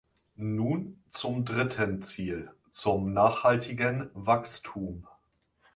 Nun zum dritten Ziel, zum nachhaltigen Wachstum.